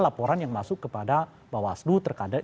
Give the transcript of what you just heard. laporan yang masuk kepada bawah seluruh